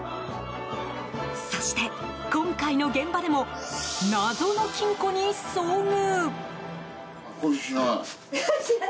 そして、今回の現場でも謎の金庫に遭遇。